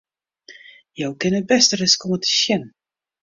Jo kinne it bêste ris komme te sjen!